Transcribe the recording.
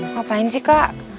ngapain sih kak